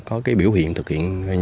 có cái biểu hiện thực hiện